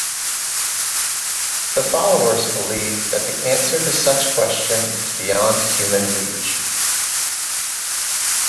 The followers believe that the answer to such question is beyond human reach.